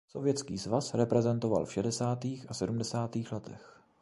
Sovětský svaz reprezentoval v šedesátých a sedmdesátých letech.